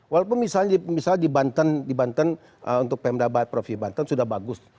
walaupun misalnya di banten untuk pmd profil banten sudah bagus